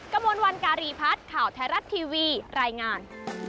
กระมวลวันการีพัฒน์ข่าวไทยรัฐทีวีรายงาน